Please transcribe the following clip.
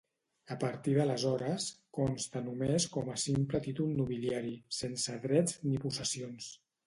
A partir d'aleshores, consta només com a simple títol nobiliari, sense drets ni possessions.